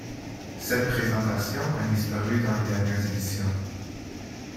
Cette présentation a disparu dans les dernières éditions.